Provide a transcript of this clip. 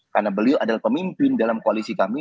karena beliau adalah pemimpin dalam koalisi kami